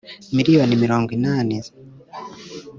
Miliyoni mirongo inani frw